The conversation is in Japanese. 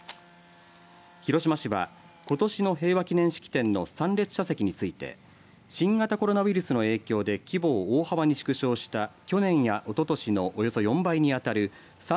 広島市はことしの平和記念式典の参列者席について新型コロナウイルスの影響で規模を大幅に縮小した去年やおととしのおよそ４倍にあたる３５５０